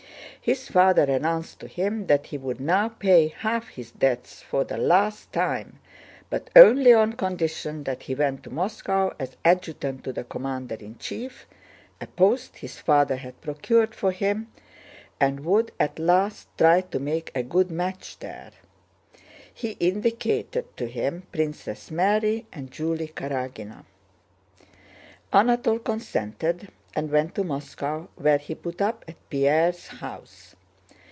His father announced to him that he would now pay half his debts for the last time, but only on condition that he went to Moscow as adjutant to the commander in chief—a post his father had procured for him—and would at last try to make a good match there. He indicated to him Princess Mary and Julie Karágina. Anatole consented and went to Moscow, where he put up at Pierre's house.